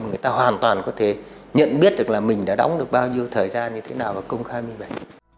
người ta hoàn toàn có thể nhận biết được là mình đã đóng được bao nhiêu thời gian như thế nào và công khai như vậy